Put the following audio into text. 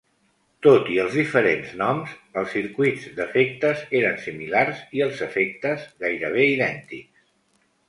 Tot i els diferents noms, els circuits d'efectes eren similars, i els efectes, gairebé idèntics.